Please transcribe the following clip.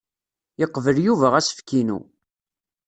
Yeqbel Yuba asefk-inu.